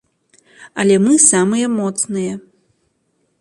Але мы самыя моцныя.